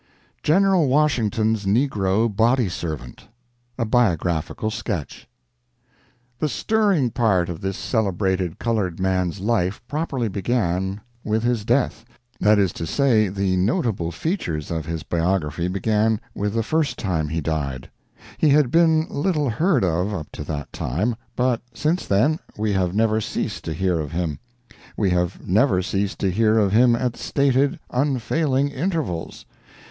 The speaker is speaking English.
GENERAL WASHINGTON'S NEGRO BODY SERVANT A Biographical Sketch The stirring part of this celebrated colored man's life properly began with his death that is to say, the notable features of his biography began with the first time he died. He had been little heard of up to that time, but since then we have never ceased to hear of him; we have never ceased to hear of him at stated, unfailing intervals.